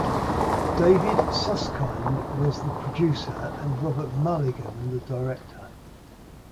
David Susskind was the producer and Robert Mulligan the director.